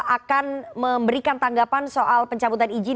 akan memberikan tanggapan soal pencabutan izin